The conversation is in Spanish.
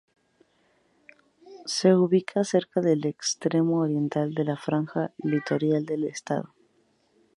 Se ubica cerca del extremo oriental de la franja litoral del estado.